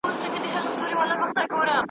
چي زه راځمه خزان به تېر وي `